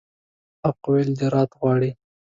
حق ویل جرأت غواړي.